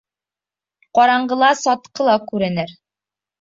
Ҡараңғыла сатҡы ла күренер.